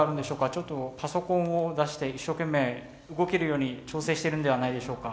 ちょっとパソコンを出して一生懸命動けるように調整してるんではないでしょうか。